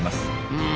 うん。